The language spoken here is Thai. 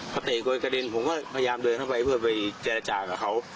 พอเตะคนกระเด็นผมก็พยายามเดินเข้าไปเพื่อไปเจรจากับเขา